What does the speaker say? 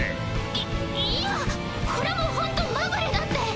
いいやこれもほんとまぐれだって。